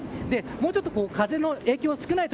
もうちょっと風の影響が少ない所